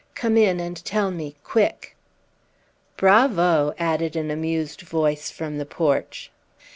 Come in and tell me quick!" "Bravo!" added an amused voice from the porch.